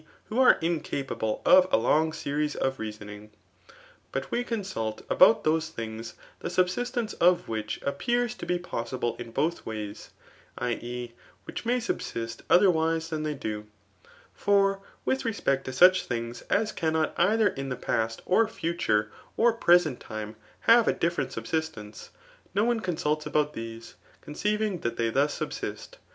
who are incapable of a long series oi reaaoning.j But we consult about thobe things theaubststnoce <^ which afkpeto to be possi* fakdn both wayt^ [i. ew wbtck may anfanst briterwise tfcaii they doi] . Eor with w^MCt .to. sEuch thhigs as cannot ebiier inithe past, qr future^ or present time» ha?e a <U£. fierent subsistence, no one consults about these, condeiT * ing that they thus subsist.